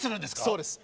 そうです。